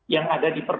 yang ada di parah